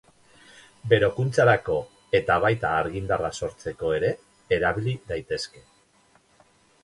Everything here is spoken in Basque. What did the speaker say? Berokuntzarako eta baita argindarra sortzeko ere erabili daitezke.